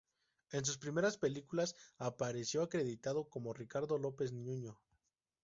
En sus primeras películas apareció acreditado como Ricardo López Nuño.